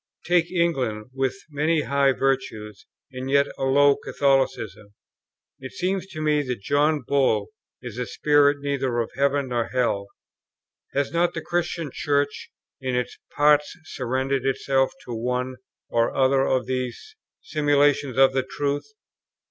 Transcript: Take England with many high virtues, and yet a low Catholicism. It seems to me that John Bull is a spirit neither of heaven nor hell.... Has not the Christian Church, in its parts, surrendered itself to one or other of these simulations of the truth?...